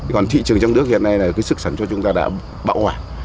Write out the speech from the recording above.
còn thị trường trong nước hiện nay là cái sức sản xuất chúng ta đã bảo quản